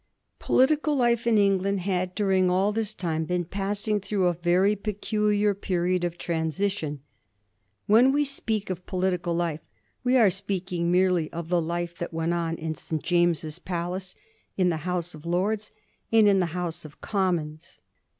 Political life in England had, during all this time, been passing through a very peculiar period of transition. When we speak of political life we are speaking merely of the life that went on in St. James's Palace, in the House of Lords, and in the House of Commons.